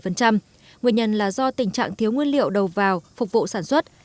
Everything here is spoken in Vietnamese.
nguyên nhân là do tình trạng thiếu nguyên liệu đầu vào phục vụ sản xuất